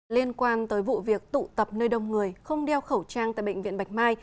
liên quan tới vụ việc tụ tập nơi đông người không đeo khẩu trang tại bệnh viện bạch mai